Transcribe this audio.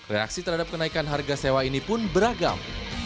reaksi terhadap kenaikan harga sewa ini pun beragam